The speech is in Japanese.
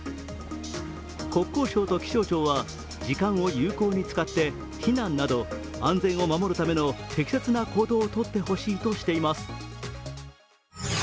国交省と気象庁は、時間を有効に使って避難など安全を守るための適切な行動をとってほしいとしています。